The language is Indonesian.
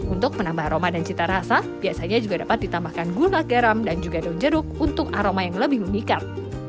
untuk menambah aroma dan cita rasa biasanya juga dapat ditambahkan gula garam dan juga daun jeruk untuk aroma yang lebih memikat